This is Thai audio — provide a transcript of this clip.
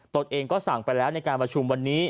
ตนเองก็สั่งไปแล้วในการประชุมวันนี้